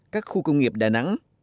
các khu công nghiệp đà nẵng